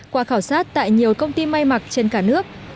qua khảo sát tại nhiều công ty may mặc trên cả nước